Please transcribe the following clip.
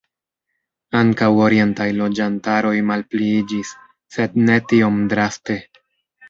Ankaŭ orientaj loĝantaroj malpliiĝis, sed ne tiom draste.